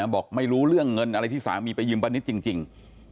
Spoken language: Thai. บอกไม่รู้เรื่องเงินอะไรที่สามีไปยืมป้านิตจริง